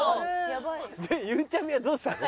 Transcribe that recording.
でゆうちゃみはどうしたの？